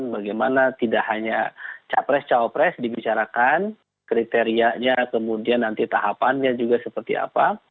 bagaimana tidak hanya capres capres dibicarakan kriterianya kemudian nanti tahapannya juga seperti apa